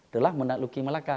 telah menakluki malacca